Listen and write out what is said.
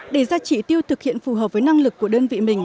để ra chỉ tiêu thực hiện phù hợp với năng lực của đơn vị mình